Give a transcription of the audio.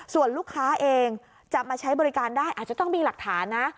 ส่วนลูกค้าเองจะมาใช้บริการได้อาจจะต้องมีหลักฐานนะ